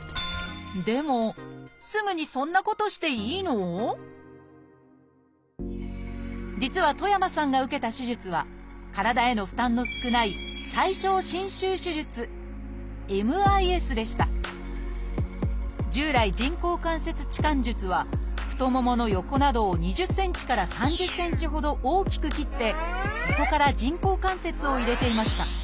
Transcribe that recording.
でも実は戸山さんが受けた手術は体への負担の少ない従来人工関節置換術は太ももの横などを２０センチから３０センチほど大きく切ってそこから人工関節を入れていました。